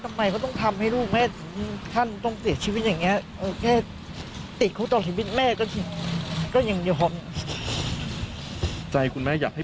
จริงดูคลิปแล้วก็ไม่เห็นไม่คิดว่าจะถึงขนาดนี้